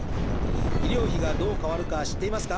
医療費がどう変わるか知っていますか？